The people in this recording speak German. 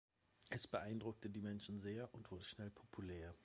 Es beeindruckte die Menschen sehr und wurde schnell populär.